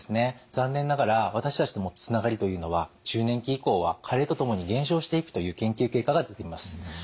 残念ながら私たちのつながりというのは中年期以降は加齢とともに減少していくという研究結果が出ています。